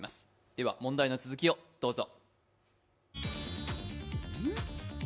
では問題の続きをどうぞ。